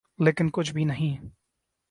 لیکن کچھ بھی نہیں۔